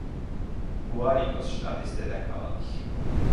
გუარიკოს შტატის დედაქალაქი.